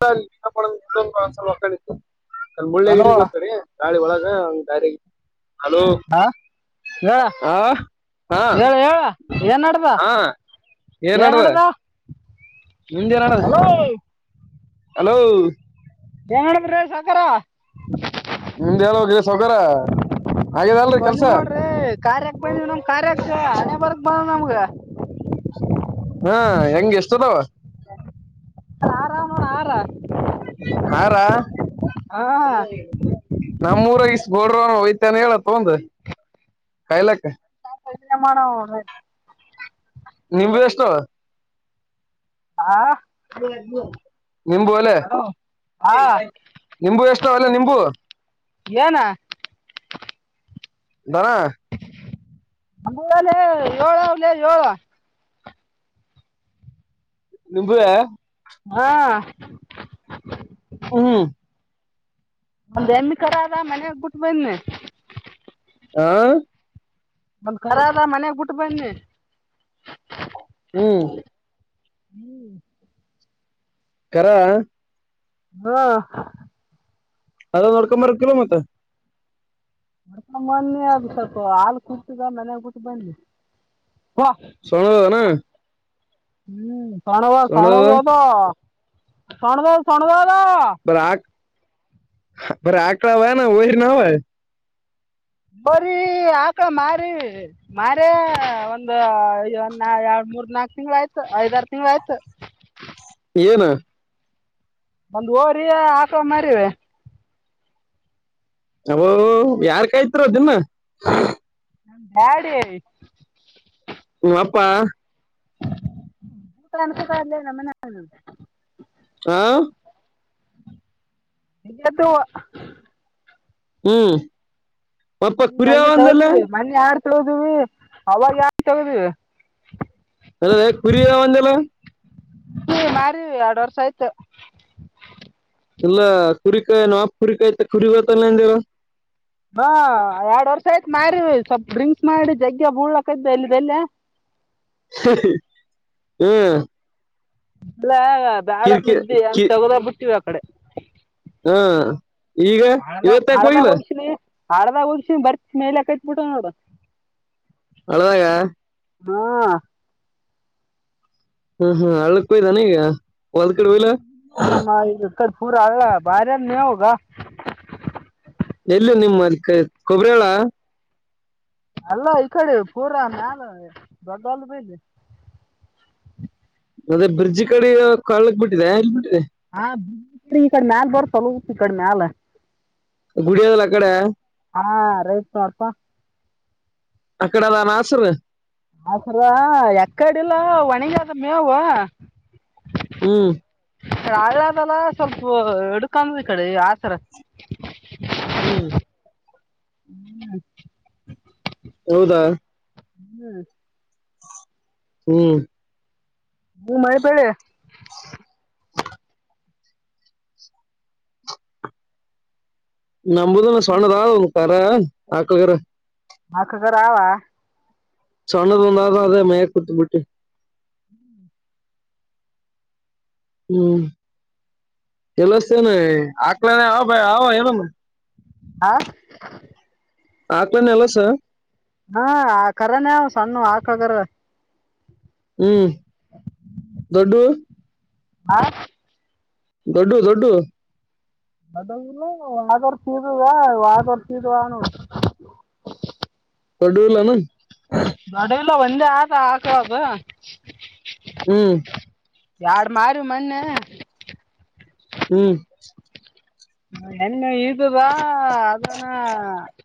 ಸ ಮಕ್ಕಳ ಇ ಅ ಹಲೋ ಮುಳ್ಳ್ಯಗಿರಿತ ರ [unintelligible] ಗಾಳಿ ಒಳಗ ಗ ಹಲೋ ಹಾ ಹೇಳ ಹಾ ಹಾ ಹೇಳ ಹೇಳ ಏನ್ಡ್ದ ಹಾ ಏನ್ ನ್ಡ್ದ ನಿಮ್ದ ಏನ್ ನಡೆದದ ಅಲೋ ಹೆಂಗಣ ಬ್ರ [unintelligible] ಸಾಕರ ನಿಮ್ದ್ ಹೆಂಗೈತ್ರೀ ಸೌಕಾರ ಆಗದ ಅಲ್ರಿ ಕೆಲ್ಸ ಬಂದಿವ್ ನೋಡ್ರಿ ಕಾರ್ಯಕ್ ಬ ನಮ್ ಕಾರ್ಯಕ್ಕ ಹನೆ ಬರಕ್ ಬಂದ ನಮ್ಗ ಹಾ ಹೆಂಗ ಎಷ್ಟದಾವ ಆರಾಮ ಆರ ಹಾರಾ ಹಾ ನಮ್ಮೂರ ಇಷ್ಟ ಬೋರ್ಡ್ನು ಹೋಯ್ತಾನೆ ಹೇಳು ತಗೊಂಡು ಕಾಯ್ಲಕ್ಕ ಸ ಮ [unintelligible] ನಿಮ್ದು ಎಷ್ಟು ಹಾ ನಿಂಬು ಅಲ್ಲೇ ಆ, ನಿಂಬು ಎಷ್ಟ ಅಲ್ಲ ನಿಂಬು ಯೇನಾ ದನಾ ಅ ಏಳ ಅವ ಏಳು ನಿಂಬುವ ಹಾ ಹ್ಮ ಒಂದ್ ಹೆಮ್ಮ್ ಕಡೆ ಆದದ ಮನೆಾಗ್ಬ ಬಿಟ್ಟು ಬನ್ನಿ ಹಾ ಒಂದ್ ಖರದ ಮನೆಯಾಗ ಬಿಟ್ಟು ಬಂದ್ನಿ ಹ್ಮ್ ಹ್ಮ್ ಕರ ಹಾ ಅದ ನೋಡ್ಕೊಂಡ್ ಬರೋಕಿಲ್ವ ಮತ್ತೆ ಬರ್ಕೊಂಡ ಮೊನ್ನಿ ಆಗ ಸ್ವಲ್ಪ ಹಾಲು ಕುೂತಿದ ಮನೆಾಗ ಕೂಟ್ಟ ಬಂದುಿ ಸಣದದ ನ ಹ್ಮ್ ಶಣವ ಸೊಣದ ಶಣವತ ಪಣದ ತ್ಣದದ ಬರ ಆ ಬರ ಆಕಳ ವಯ ವೈ ನಾವ ಬರಿ ಹಕ ಮಾರ ಮಾರ ಒಂದು ಎರಡ್ ಮೂರ್ ನಾಕ್ ತಿಂಗ್ ಆಯ್ತು ಐದಾರ ತಿಂಗ್ ಆಯ್ತು ಏನು? ಒಂದ್ ಹೋರಿ ಹಾಕೋ ಮಾರಿವೆ. ಅವ್ವೂ ಯಾರ್ ಕಾಯತ್ರೋ ದಿನ್ನ. [unintelligible] ಹೂ ಅಪ್ಪಾ. [unintelligible] ಹಾ ಇಪ್ಪತ್ತು. ಹ್ಮ್ ಅಪ್ಪ ಹ್ಮ್ ಕುರಿ ಅವ ಹಂಗೆ ಅಂದಲ್ಲ ತಗದ್ವಿ ಮನ್ನಿ ಯಾರ ತೊಗೋದವಿ ಅವಾಗ ಯಾಕ್ ತಗದ್ವಿ. ಅಲ್ಲೇ ಕುರಿನೆ ಬಂದಲ್ಲ. ಹ ಮಾರಿವಿ ಎರಡು ವರ್ಷ ಆಯ್ತು. ಎಲ್ಲ ಕುರಿಕಾಯಿನಾಪ ಕುರಿಕಾಯತ ಕುರಿಗತ್ತಲ್ಲಂದವ. ಹಾ ಎರಡ್ ವರ್ಷ ಆಯ್ತು ಮಾರೀ ಸ್ವಲ್ಪ ಡ್ರಿಂಕ್ಸ್ ಮಾಡಿ ಜಗ್ಗೆ ಬೂಳ್ಲಕ ಇದ್ದ ಎಲ್ಲದೆಲ್ಲ. ಹೂ. ಇಲ್ಲ ಬ್ಯಾಡ ಕಿರ್ಕಿ ಸುದ್ದಿ ಅಂತ ಕಿ ತಗದೆ ಬಿಟ್ಟಿವ್ ಆ ಕಡೆ. ಹಾ ಈಗ ಇವತ್ತಾಕ ಹೋಗಿಲ್ಲ. ಹಾಳ್ದಾಗ್ ಉರ್ಸಿ ಬರ್ತ್ ಮೇಲೆಕ್ಕೆತ್ ಬಿಟ್ಟೊನ್ ನೋಡು. ಅಳ್ದಾಗ. ಹಾ ಹ್ಮ್ ಹ್ಮ್ ಹಳ್ಳಕ್ಕ್ ಬಿದ್ದಾನ್ ಈಗ. ಹೊಲದ್ ಕಡೆ ಹೋಗಿಲ್ಲ ನಮ್ಮ ಕರ್ ಪೂರ ಹಳ್ಳ ಬಾರ ನೀ ಹೋಗ. ಎಲ್ಲಿ ನಿಮ್ಮ ಕೊಬ್ರ್ಯೊಳ. ಅಲ್ಲ ಈ ಕಡೆ ಪೂರಾ ಮ್ಯಾಲ ದೊಡ್ಡ ಆಲ್ ಬಲ್ಲಿ. ಅದೇ ಬ್ರಿಜ್ ಕಡೆಕ್ ಹಳ್ಳಕ್ ಬಿಟ್ಟಿದೆ ಎಲ್ಲಿ ಬಿಟ್ಟಿದೆ. ಹಾ [unintelligible] ಮ್ಯಾಲ ಬರ ಚಲೋ ಈ ಕಡೆ ಮ್ಯಾಲ. ಗುಡಿಯದಲ್ಲ ಅ ಕಡೆ. ಹಾ ರೈಟ್ ನೋಡ್ಪ. ಅಕ್ಕಡ ಅಲ್ಲಾನ್ ಹಸ್ರ್. ಹಸ್ರ ಎಕ್ಕಡಿಲ್ಲ ಒಣಿಗಾದ ಮೇವು. ಹ್ಮ್. ಹಳ್ಳದಲ್ಲ ಸ್ವಲ್ಪ ಎಡ್ಕಂದ ಈ ಕಡೆ ಹಾಸ್ರ. ಹ್ಮ್. ಹ್ಮ ಹೌದಾ? ಹ್ಮ್ ಹ್ಮ್ ನೀ ಮನೆ [unintelligible] ನಂಬುದು ಸಣ್ಣದ ಕರ ಆಕ್ಲಗರ. ಆಕ್ಳಗರಾವ. ಸಣ್ಣದೊಂದಾದದೇ ಮೇಯಕ್ ಕೂತ್ ಬಿಟ್ಟಿನ್. ಹ್ಮ್ ಹ್ಮ್ ಕೆಲ್ಲಸ [unintelligible] ಹಾ ಹಾಕ್ಬನ್ ಎಲ್ಲಸ? ಹಾ ಆ ಕರನ ಸಣ್ಣ ಆಾಕ್ಳಗರ. ಹ್ಮ್ ದೊಡ್ಡು ಹಾ ದೊಡ್ಡಡು ದೊಡ್ಡು ಅದ ವಾತರ್ತೀದುಾ ವಾತರ್ತೀದುಾಣ ಪಡಲ್ಲ ನ ಅಲ್ಲಾ ದಡೈಲ ಒಂದೆ ಆತ ಆಕಬ. ಹ್ಮ್. ಯಾರು ಮಾರು ಮಣ್ಣೇ ಹ್ಮ್ ಹೆನ್ ಇದದ ಅದನ್ನ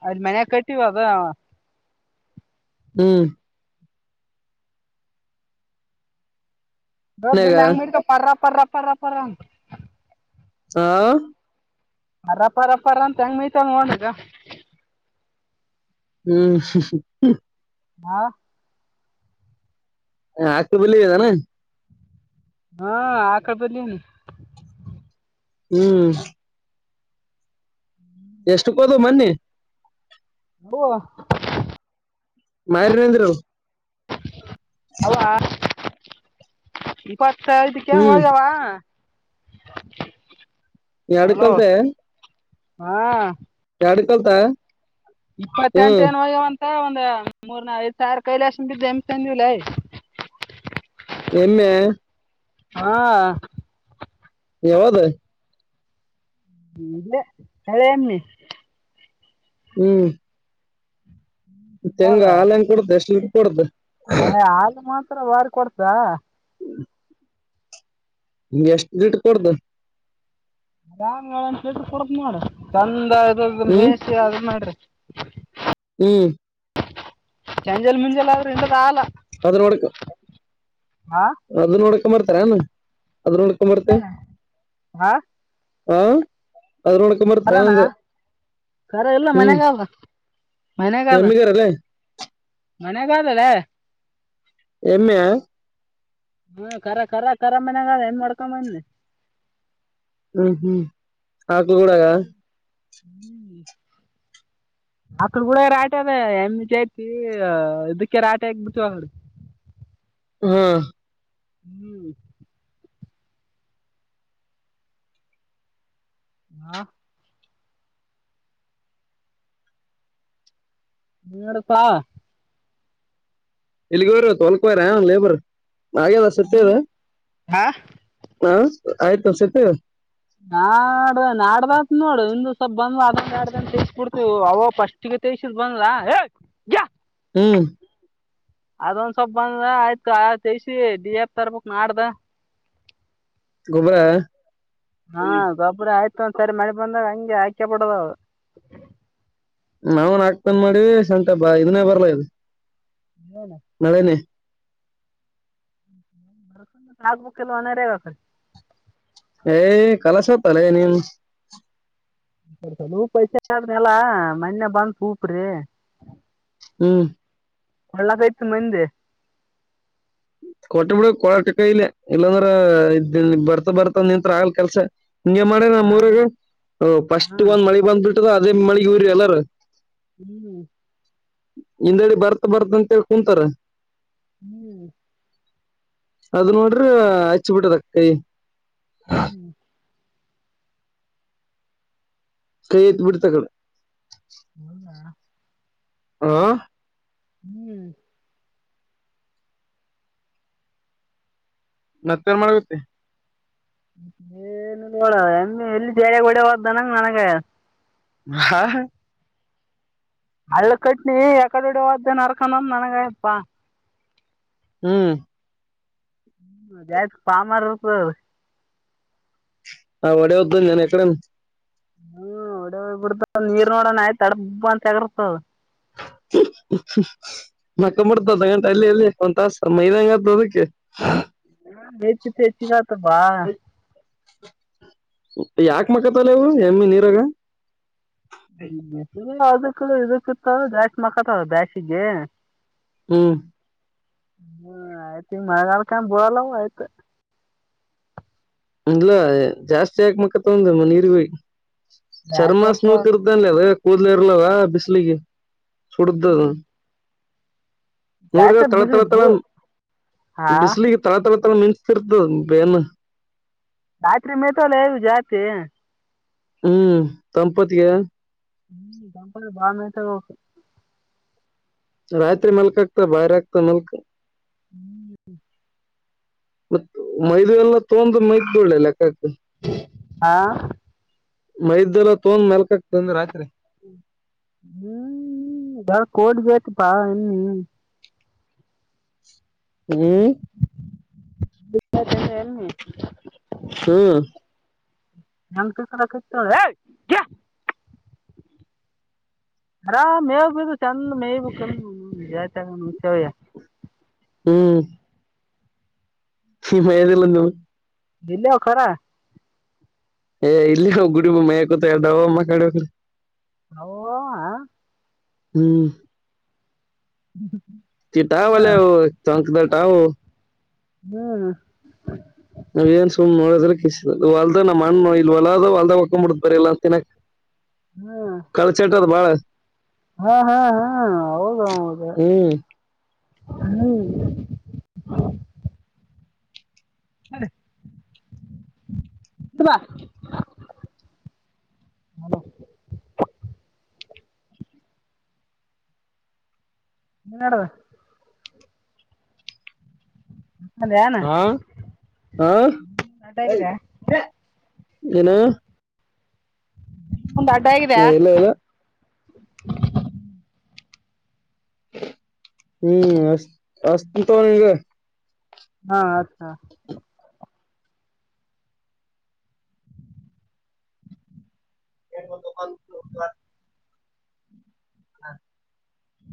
ಅದ್ ಮೈಯ್ಯಕತಿವಿ ಅದ. ಹ್ಮ್ ಮನ್ಯಾಗ ದಡ್ದುಲ್ ಹೆಂಗ್ ಪರ್ರ ಪರ್ರ ಪರ್ರ ಪರಂಗ ಹಾ ಅರಪ್ಪಪ್ಪರ ಅಂತ ಹೆಂಗ ಮೈ್ತ ನೋಡಗ ಹ್ಮ್ ಹಾ ಹ ಆಗ್ತ ಬಳ ಇದಾನ ಹಾ ಹಾಕತೀದಿನಿ ಹ್ಮ್ ಎಷ್ಟು ಕೋದು ಮನ್ನಿ ಹ [inaudible] ಮರಿನಂದ್ರು ಅವವಾ ಇಪ್ಪತ್ತು ಐದಕ್ಕೆನ್ ಹ್ಮ್ ಹೋಗುವ ಎರಡು ಹಲೋ ಕಲ್ತ ಹಾ ಎರಡು ಕಲಿತ ಇಪ್ಪತ್ತ ಎಂಟ ನ್ ಹೋಗ್ಯವಂತ ಒಂದ್ ಮೂರ್ನ ಐದ್ ಸಾವಿರ ಕೈಲಕ್ಷ ಬಿದ್ದ ಎಮಂದಿವಿಲ್ಲ. ಎಮ್ಮೆ ಹಾ ಯಾವದು ಹ್ಮೆ ಹಳೆ ಎಮ್ಮಿ ಹ್ಮ್ ತೆಂಗ ಹಾಲಂಗ್ ಕೊಡ್ದ ಎಷ್ಟು ಲೀ ಕೊಂದರು ಹ ಹಾಲು ಮಾತ್ರ ಬಾರಿ ಕೊಡ್ತ ನೀ ಎಷ್ಟ್ ಲೀಟರ್ ಕೊಡ್ತೀ ಾಮನ್ಟ್ರ ಕೊರ್ಪ ಮಾಡ ಚಂದ ಇ ಹ್ಮ್ ಮೇಸಿ ಅದ ಮಾಡ್ರಿ ಹ್ಮ್ ಚಂಜಲ್ ಮುಂಜಲೆ ಆದ್ರ ಇಂಡದು ಆಗಲ ಅದರೊಡುಕ ಹಾ [inaudible] ಅದ್ ನೋಡ್ಕೊಂಬರ್ತಾರಾನ ಅದ್ ನೋಡ್ಕೊಂಬರ್ತೆ ಹಾ ಹಾ ಅದ ನೋಡ್ ಮರನಾ ಕರ ಇ ಲ್ಲ ಹ್ಮ್ ಮನಗ ಮನಗಾದ ಎಮ್ಮಿಗಾರಲ್ಲೇ ಮನೆಾಗದಲ್ಲ ಎಮ್ಮೆ ಹಾ ಕರಖರ ರ ಮನ್ಯಾಗ ಆದ ದನ ಮಾಡ್ಕೊಂಬ ಬಂದಿ ಹ್ಮ್ ಹ್ಮ್ ಹಾಕ್ಲು ಕೂಡಗ ಅಕಡ ಕೂಡ ರಾಟೆ ಅದ ಹೆಮ್ಮ ಚೈತಿ ಇದಕ್ಕೆ ರಾಟೆ ಆಗ್ ಬಿಟ್ಟವಿ ಅಡ ಹ್ಮ ಹ್ಮ್ ಹಾ ನಡಪ್ಪಾ ಇಲ್ಲಿಗೆ ಹೋಗ್ಯಾರ ಇವತ್ತು ಹೊಲಕ್ಕ ಹೋಗ್ಯಾರ ಲೇಬರ್ ಹಾಗ್ಯದ ಸದಿ ಅದ ಹಾ ಹಾ ಆಯ್ತಸತೆ ನಾಡ ನಾಡ್ದತ್ ನೋಡು ಇಂದು ಸ್ವಲ್ಪ ಬಂದ್ ಅದ ನಡ್ದಂತ ತಿಸಕೊಡ್ತಿವಿ ಅವ ಪಸ್ಟ್ ತ ಈಸ ಬಂದಲ ಹಏ ಹ್ಮ್ ಅದೊಂದ ಸಲ್ಪ್ ಬಂದ ಆಯ್ತು ತಸಿ ಡಿ ಎಫ ತರ್ಬಕ್ ಮಾಡ್ದ ಗುಬರ ಹಾ ಗೊಬ್ರ ಆಯ್ತ ಒಂದ್ಸರಿ ಮಳಿ ಬಂದಾಗ ಹಂಗೆ ಆಯ್ಕೆ ಬಿಡದ ನಾವ್ನಕ್ತಂದ್ ಮಾಡಿವಿ ಸಂಟ ಬ ಇದನ್ನೇ ಬರ್ಲಾ ಇದು ಹ್ಮಣ ನಳೆನೆ ಹ ಬ ಆಗ್ಬೇಕು ಎಲ್ಲ ಅನಗಬೇಕ ಏಯ್ ಕಲ ಸತ್ತಲ್ಲೇ ನೀನ್ ಪ ಆದನಲ್ಲ ಮೊನ್ನೆ ಬಂತ ಉಊಪ್ರಿ ಹ್ಮ್ ಒಳ್ಳಗಯ್ತು ಮಂದೆ ಕೊಟೆ ಬಿಡಕ್ ಕೊಳಾಟ ಕೈಲಿ ಇಲ್ಲಾಂದ್ರ ಇದನ್ ಬರ್ತ ಬರ್ತ ನಿಂತ್ ಆಗ್ಲ್ ಕೆಲ್ಸ ಹಂಗೆ ಮಾಡೇ ನಮ್ಮ್ ಆಗಲ್ಲ ಊರಾಗ ಫಸ್ಟ್ ಹ್ಮ್ ಒಂದ್ ಮಳಿ ಬಂದ್ಬಿಟ್ಟದ ಅದೇ ಮಳಗ್ ಹೂರಿ ಎಲ್ಲಾರ ಹ್ಮ್ ಹಿಂದೆಡಿ ಬರ್ತ್ ಬರ್ತ್ ಅಂತಿ ಕುಂತಾರ ಹ್ಮ್ ಅದ ನೋಡ್ರಿ ಹಚ್ಚ ಬಿಟ್ಟದ ಅ ಕೈ ಹ್ಮ್ ಕೈ ಯತ್ ಬಿಡ್ತಗಳ ಹೌದಾ ಆ ಹ್ಮ್ ಮತ್ತೆರ್ ಮಾಡಗುತ್ತೆ ಏನು ನೋಡ ಎಮ್ಮ ಎಲ್ಲಿ ಜ ಡ ಹೋದ್ದ ನಂಗ ನನಗ ಹಾ ಹಳ್ಳ ಕಟ್ನಿ ಯಾಕಾದೋಡಡಿ ಹದ್ದೇನ್ ಅರ್ಕಾನಂದ ನನಗಾಯಯಪ್ಪಾ ಹ್ಮ್ ಪಾಮಾರ ಹ ಒಡೆ ಹದ್ ನಾನನ್ ಎಕಡೆೇ ಹ್ಮ್ ಒಡೆ ಬಿಡತ ನೀರ್ ನೋಡೋಣ ಆಯ್ತ ತಡ ಅಂತಗರ್ತ [unintelligible] ಮಕೊಂಬ ಬಿಡತದ ಅರ್ದ ಗಂಟೆ ಅಲ್ಲೇ ಅಲ್ಲೇ ಒಂದ್ ತಾಸ ಮೈದಂಗ ಹಾಗತದ ಅದಕ್ಕೆ ಹ ಹೆಚ್ಚಿ ತೇಚಿಗಾತದ ಬಾ ಯಾಕ ಮಕಥಾವ್ಲೆ ಅವು ಎಮ್ಮಿ ನೀರಾಗ ಅದಕ್ಕ ಇದಕ್ಕ ಇತ್ತದ ಜಾಸ್ತಿ ಮಕ್ಕತ್ತದ ಬ್ಯಾಸಿಗಿ ಹ್ಮ್ ಹ ಆಯ್ತ ಹಿಂಗ್ ಮಳಿಗಾಲಕಂಗ ಬುಳಲ್ಲವು ಆಯ್ತ್ ಇಲ್ಲಾ ಜಾಸ್ತಿ ಯಾಕ್ ಮಕ್ಕತವಂದೆ ನೀರಿಗ್ ಹೋಗಿ ಚರ್ಮ ದ್ರಾಕ್ಷಪ್ಪ ಸ್ಮೂತ್ ಇರ್ತದಲೆ ಅದ್ ಕೂದಲ ಇರಲ್ಲಲ ಬಿಸಿಲಿಗಿ ಸುಡ್ದತದು ದ್ರಾಕ್ಷ ನೋಡಿದ್ರೆ ತಳತಳ ತಳ ಬಿಸಿದು ಹಾ ಬಿಸ್ಲಿಗಿ ತಳತಳ ತಳ ಮಿಂಚರ್ತಿತದ್ ಅದ್ ಬೆನ್ನ್ ರಾತ್ರಿ ಮೇತವಲ್ಲೆ ಜಾಸ್ತಿ ಹ್ಮ್ ತಂಪೂತಿಗ್ಯಾ ಹ್ಮ್ ತಂಪೊತಿಗ್ ಬಾಳ ಮೇಯತ [unintelligible] ರಾತ್ರಿ ಮಲ್ಕಕತೊ ಬಾರಿ ಆಗ್ತದ ಮಲ್ಕೊ [inaudible] ಮತ್ ಮೈದುವ ಎಲ್ಲ ತೊಂದ್ ಮೈತಿದವ ನೋಡ್ ಲೆಕ್ಕಾಕ ಹಾ ಮೈದದ್ದೆಲ್ಲ ತೋಂದ್ ಮೆಲ್ಕಾಗ್ತದಂದೇ ರಾತ್ರಿ ಹ್ಮ್ ಹ್ಮ ಕೋಡ್ ಬೇಕ್ ಪಾ ಹ್ಮ್ ಹ್ಮ್ ಹ್ಮ್ [inaudible] ಹ್ಮ [inaudible] ಅರಾಮ ಮೇವು ಬೆಳದದ್ ಚಂದ ಮೇಯ ಬೇಕಿಲ್ಲ [inaudible] ಹ್ಮ್ ಏನಿಲ್ಲ [unintelligible] ಎಲ್ಲಾವ ಕರ ಏ ಇಲೇ ಆವ ಗುಡಿ ಮುಂದ ಮೇಯಕುತವ ಎಡ್ ಅವ [unintelligible] ಹೌ ಹವ್ ಹಾ ಹ್ಮ್ [inaudible] ಹ್ಞೂ ಕಿಟ್ಟಾವಲೇ ಅವು ಟೊಂಕದಟಾವವು ಹ್ಮ್ ನಾವೇನ್ ಸುಮ್ ನೋಡೋದಿಲ್ಲ ಕಿಸೆದಿಲ್ಲ ಹೊಲ್ದ ನಮ್ಮಣ್ಣ ಇಲ್ ಹೊಲಾದ ಹಾಕ್ಕೊಂಬಿಡತ್ತಿದ ಬರೇ ಇಲ್ಲನ್ ತಿನಕ್ [inaudible] ಹ್ ಕಳ್ಳ ಚಟಾದ ಬಾಳ್ ಹಾ ಹಾ ಹಾ ಹೌದು ಹೌದ್ ಹ್ಮ್ ಹ್ಮ [inaudible] ಬಾ ಏನ್ ನಡದ್ ಏನು ಹಾ ಹಾ ಅಡ್ಡ ಏ ಆಗಿದೆ ಏನು ಉಂದ್ ಅಡ್ಡ ಆಗಿದ್ಯ ಏ ಇಲ್ಲ ಇಲ್ಲ ಹ್ಮ್ ಅಚ್ಚ ಅಚ್ಚತಿನ ತೊಗ ನಿನಗ್ ಹಾ ಅಚ್ಚ ಹೇಳ್ [inaudible] ಹಾ